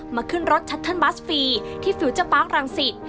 มาขึ้นรถชัตเติ้ลบัสฟรีที่ฟิวเจอร์ปาร์ครังศิษย์